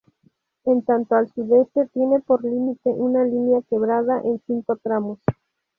En tanto al sudeste tiene por límite una línea quebrada en cinco tramos.